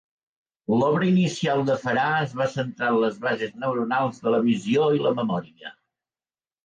L'obra inicial de Farah es va centrar en les bases neuronals de la visió i la memòria.